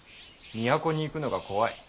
都に行くのが怖い。